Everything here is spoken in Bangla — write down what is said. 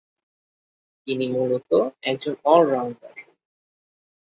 তিনি মূলতঃ একজন অল-রাউন্ডার।